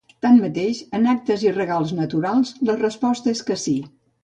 Tanmateix, en actes i regals naturals, la resposta és que sí.